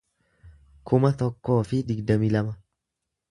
kuma tokkoo fi digdamii lama